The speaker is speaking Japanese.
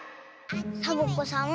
サボ子さん